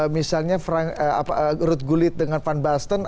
misalnya frank apa ruth gullit dengan van basten